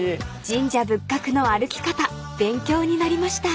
［神社仏閣の歩き方勉強になりました］